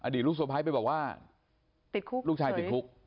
อดีตลูกสะพ้ายไปบอกว่าลูกชายติดคุก